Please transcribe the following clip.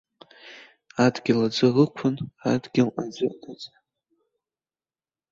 Адгьыл аӡы ықәын, адгьыл аӡы ыҵан.